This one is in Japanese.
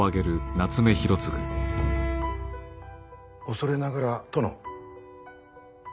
恐れながら殿。